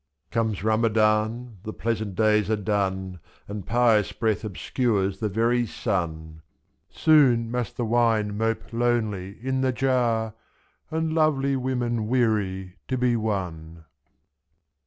93 Comes Ramadan, the pleasant days are done. And pious breath obscures the very sun; x.iS' Soon must the wine mope lonely in the jar. And lovely women weary to be won.